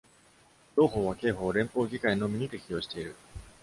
同法は、刑法を連邦議会のみに適用している。